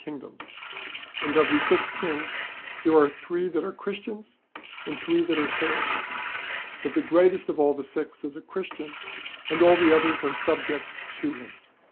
361 Kingdoms ; and of these six Kings there are three that are Christians and three that are Saracens ; but the greatest of all the six is a Christian, and all the others are subject to him.'